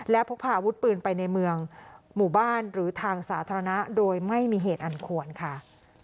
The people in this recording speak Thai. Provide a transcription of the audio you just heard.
และพกพาอาวุธปืนไปในเมืองหมู่บ้านหรือทางสาธารณะโดยไม่มีเหตุอันควรค่ะ